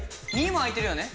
２も空いてるよね。